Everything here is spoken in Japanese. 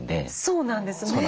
そうなんです。